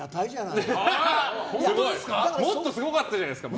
もっとすごかったじゃないですか。